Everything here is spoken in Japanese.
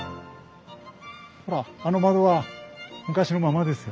ほらあの窓は昔のままですよ。